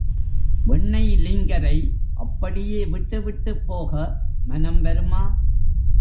வெண்ணெய் லிங்கரை அப்படியே விட்டு விட்டுப்போக மனம் வருமா?